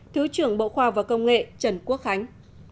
thứ trưởng bộ khoa và công nghệ trần quốc khánh